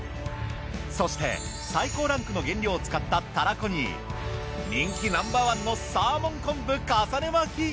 そして最高ランクの原料を使ったたらこに人気ナンバーワンのサーモン昆布重ね巻。